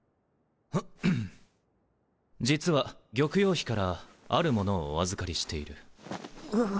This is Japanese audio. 実は玉葉妃からある物をお預かりしている。